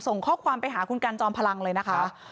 ส่งข้อความไปหาคุณกันจอมพลังเลยนะคะ